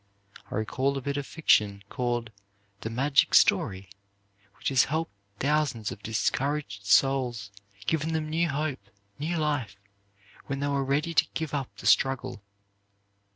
I recall a bit of fiction, called "The Magic Story," which has helped thousands of discouraged souls, given them new hope, new life, when they were ready to give up the struggle.